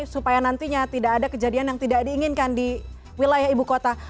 supaya nantinya tidak ada kejadian yang tidak diinginkan di wilayah ibu kota